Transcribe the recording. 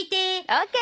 ＯＫ！